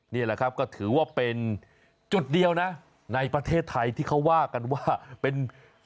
นี่แหละครับก็ถือว่าเป็นจุดเดียวนะในประเทศไทยที่เขาว่ากันว่าเป็น